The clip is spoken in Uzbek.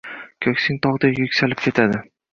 — ko‘ksing tog‘dek yuksalib ketadi.